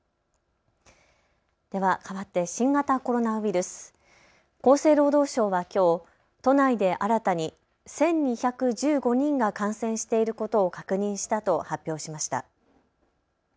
では変わって新型コロナウイルス、厚生労働省はきょう都内で新たに１２１５人が感染していることを確認したと発表しました。